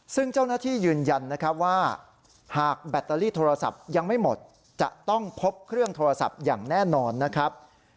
ซึ่งเจ้าหน้าที่ยืนยันนะครับว่าหากแบตเตอรี่โทรศัพท์ยังไม่หมดจะต้องพบเครื่องโทรศัพท์อย่างแน่นอนนะครับ